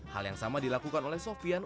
hal yang sama dilakukan oleh sofian